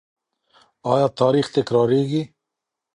آیا تاریخ تکراریږي؟